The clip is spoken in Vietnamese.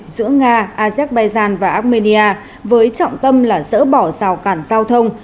giữa nga azerbaijan và armenia với trọng tâm là dỡ bỏ rào cản giao thông